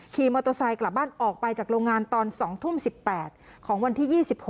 ขี่มอเตอร์ไซค์กลับบ้านออกไปจากโรงงานตอน๒ทุ่ม๑๘ของวันที่๒๖